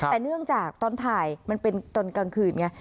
แต่เนื่องจากตอนถ่ายมันเป็นตอนกลางคืนไง